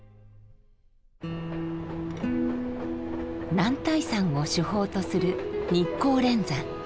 男体山を主峰とする日光連山。